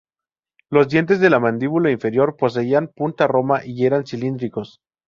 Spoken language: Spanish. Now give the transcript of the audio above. Los dientes de la mandíbula inferior poseían punta roma y eran cilíndricos.